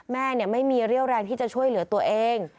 แม่ไม่มีเรี่ยวแรงที่จะช่วยเหลือตัวเอง